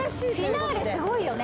フィナーレすごいよね。